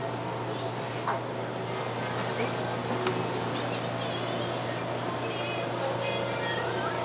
見て見て！